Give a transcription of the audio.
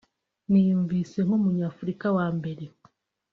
niyumvise nk’Umunyafurika wa mbere